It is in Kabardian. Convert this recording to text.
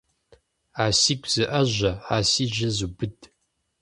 А сигу зыIэжьэ, а си жьэ зубыд.